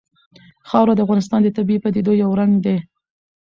خاوره د افغانستان د طبیعي پدیدو یو رنګ دی.